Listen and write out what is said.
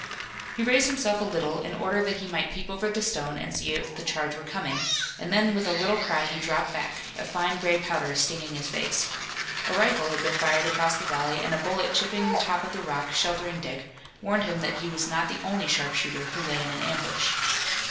He raised himself a little in order that he might peep over the stone and see if the charge were coming, and then with a little cry he dropped back, a fine gray powder stinging his face. A rifle had been fired across the valley and a bullet chipping the top of the rock sheltering Dick warned him that he was not the only sharpshooter who lay in an ambush.